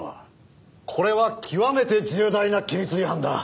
これは極めて重大な規律違反だ。